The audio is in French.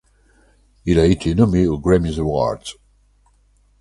Il a été nommé aux Grammy Awards.